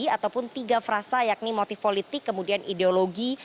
ataupun tiga frasa yakni motif politik kemudian ideologi